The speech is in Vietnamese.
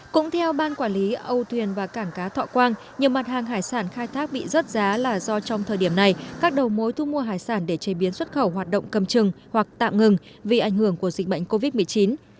cũng theo ban quản lý âu thuyền và cảng cá thọ quang nhiều mặt hàng hải sản khai thác bị rớt giá là do trong thời điểm này các đầu mối thu mua hải sản để chế biến xuất khẩu hoạt động cầm chừng hoặc tạm ngừng vì ảnh hưởng của dịch bệnh covid một mươi chín